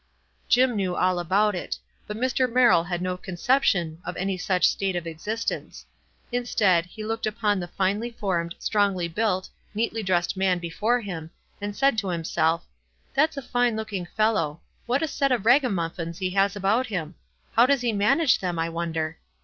Jim knew all about it, but Mr. Merrill had no conception of any such state of existence; instead, he looked upon the finely formed, strongly built, neatly dressed man before him, and said to himself, " That's a fine looking fellow. What a set of ragamuffins he has about him ! How does he manage them, I wonder?"